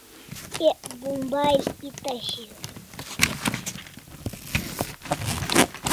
Ek mobile eta shiau